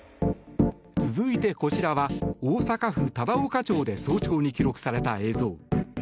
続いて、こちらは大阪府忠岡町で早朝に記録された映像。